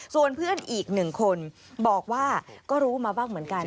ส่วนเพื่อนอีกหนึ่งคนบอกว่าก็รู้มาบ้างเหมือนกัน